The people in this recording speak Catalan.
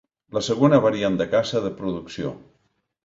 La segona variant de caça de producció.